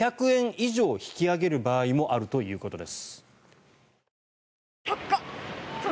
以上引き上げる場合もあるということです。